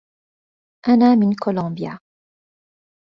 أنا من كولومبيا.